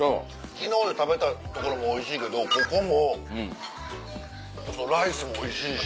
昨日食べたところもおいしいけどここもライスもおいしいし。